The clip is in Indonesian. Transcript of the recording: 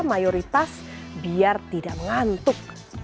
mayoritas biar tidak mengantuk